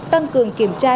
tăng cường kiểm tra